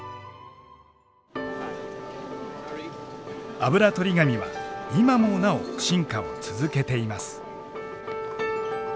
あぶらとり紙は今もなお進化を続けています。